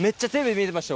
見てました